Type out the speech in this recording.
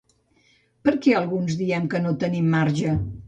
Per què alguns diem que no tenim marge?